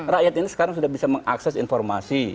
rakyat ini sekarang sudah bisa mengakses informasi